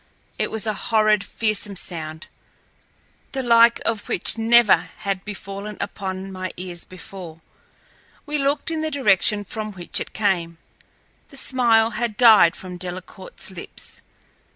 It was a horrid, fearsome sound, the like of which never had fallen upon my ears before. We looked in the direction from which it came. The smile had died from Delcarte's lips.